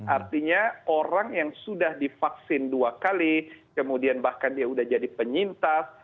artinya orang yang sudah divaksin dua kali kemudian bahkan dia sudah jadi penyintas